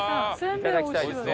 いただきたいですね